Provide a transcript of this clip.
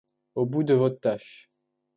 Au bout de votre tâche.